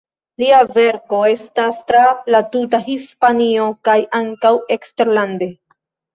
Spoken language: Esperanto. Lia verko estas tra la tuta Hispanio kaj ankaŭ eksterlande.